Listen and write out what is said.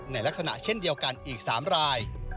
ในลักษณะเช่นเดียวกันอีก๓ราย